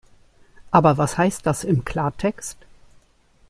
Aber was heißt das im Klartext?